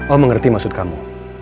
om mengerti maksud kamu